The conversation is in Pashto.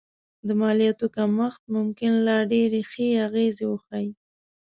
د مالیاتو کمښت ممکن لا ډېرې ښې اغېزې وښيي